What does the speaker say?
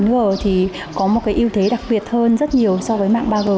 mạng bốn g thì có một cái ưu thế đặc biệt hơn rất nhiều so với mạng ba g